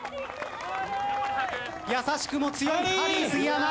優しくも強いハリー杉山。